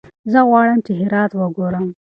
زه غواړم چې هرات وګورم.